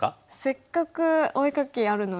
せっかくお絵描きあるので。